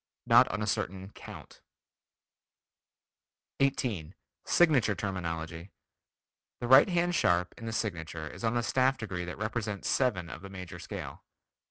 Not on a certain count. 18. Signature Terminology: The right hand sharp in the signature is on the staff degree that represents seven of the major scale.